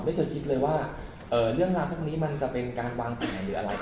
ไม่เคยคิดเลยว่าเนื่องราคุณี้มันจะเป็นการวางแผ่นอะไร